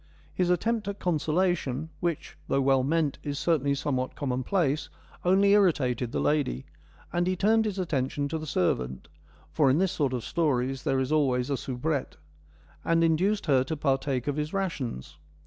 His attempt at consolation — which, though well meant, is certainly somewhat commonplace — only irritated the lady, and he turned his attention to the servant (for in this sort of stories there is always a soubrette) and induced her to partake of his rations.